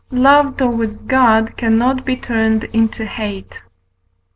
Love towards God cannot be turned into hate.